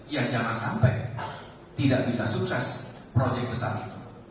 ya jangan sampai tidak bisa sukses proyek besar itu